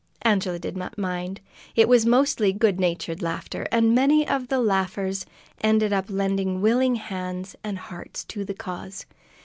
Angela did not mind. It was mostly goodnatured laughter, and many of the laughers ended by lending willing hands and hearts to the cause.